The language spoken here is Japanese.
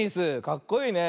かっこいいね。